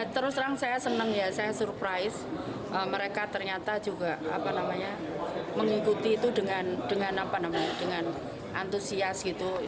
terus terang saya senang ya saya surprise mereka ternyata juga mengikuti itu dengan antusias gitu